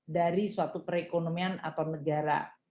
dari suatu perekonomian atau negara